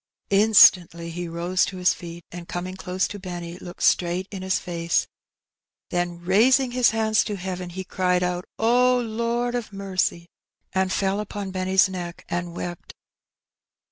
Instantly he rose to his feet, and, coming close to Benny, looked straight in his face. Then raising his hands to heaven, he cried out, ^' Lord of mercy !and fell upon Benny*s neck and wept.